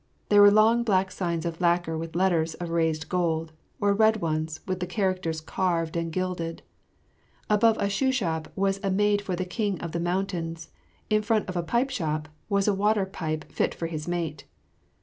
There were long black signs of lacquer with letters of raised gold, or red ones with the characters carved and gilded. Above a shoe shop was a made for the King of the Mountains, in front of a pipe shop was a water pipe fit for his mate.